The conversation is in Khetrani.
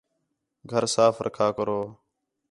گھر صاف رکھا کرو